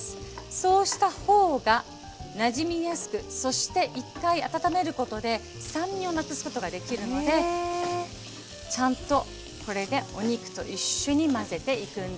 そうしたほうがなじみやすくそして一回温めることで酸味をなくすことができるのでちゃんとこれでお肉と一緒に混ぜていくんですって。